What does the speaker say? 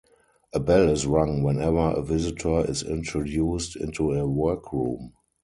A bell is rung whenever a visitor is introduced into a workroom.